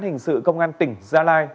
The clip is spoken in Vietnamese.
hình sự công an tỉnh gia lai